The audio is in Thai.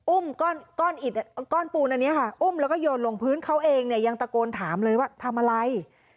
ก้อนปูนอันนี้ค่ะอุ้มแล้วก็โยนลงพื้นเขาเองเนี่ยยังตะโกนถามเลยว่าทำอะไร